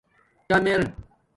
ٹَم ارے